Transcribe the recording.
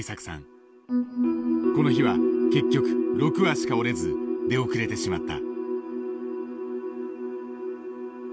この日は結局６羽しか折れず出遅れてしまった。